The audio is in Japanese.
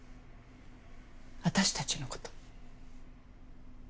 私たちのこと。